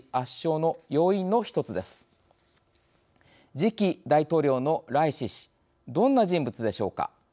次期大統領のライシ師どんな人物でしょうか。